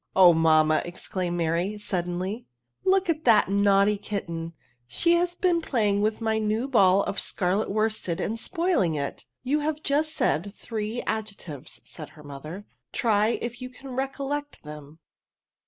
" Oh, mamma/' exclaimed Mary, sud denly, •*^ look at that naughty kitten, she has been playing with my new ball of scarlet worsted and spoiling it." You have just said three adjectives," said her mother ;" try if you can recollect them."